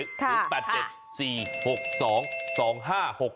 ค่ะคุณ๘๗๔๖๒๒๕๖๑โอเคร่อยได้แหล่งโอ๊ค